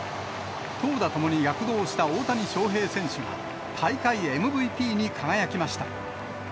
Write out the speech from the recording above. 投打ともに躍動した大谷翔平選手が、大会ＭＶＰに輝きました。